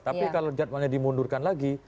tapi kalau jadwalnya dimundurkan lagi